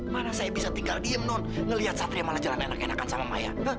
mana saya bisa tinggal diem non melihat satria malah jalan enak enakan sama maya